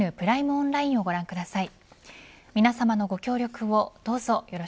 オンラインをご覧ください。